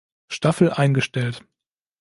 Staffel eingestellt.